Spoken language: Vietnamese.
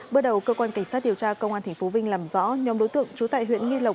bước đầu cơ quan cảnh sát điều tra công an tp vinh làm rõ nhóm đối tượng trú tại huyện nghi lộc